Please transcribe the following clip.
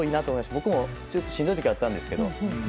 僕も、しんどい時あったんですけど。